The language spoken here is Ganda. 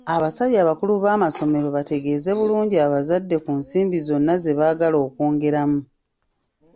Abasabye abakulu b'amasomero bategeeze bulungi abazadde ku nsimbi zonna ze baagala okwongeramu.